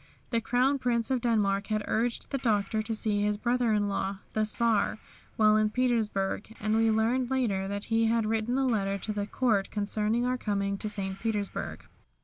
The Crown Prince of Denmark had urged the Doctor to see his brother in law, the Czar, while in St. Petersburg, and we learned later that he had written a letter to the Court concerning our coming to St. Petersburg.